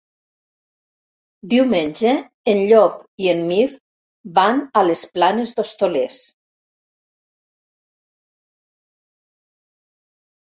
Diumenge en Llop i en Mirt van a les Planes d'Hostoles.